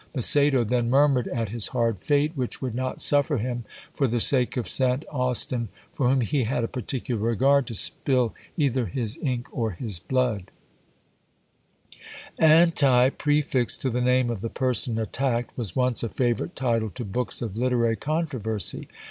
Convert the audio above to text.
Macedo then murmured at his hard fate, which would not suffer him, for the sake of St. Austin, for whom he had a particular regard, to spill either his ink or his blood. ANTI, prefixed to the name of the person attacked, was once a favourite title to books of literary controversy.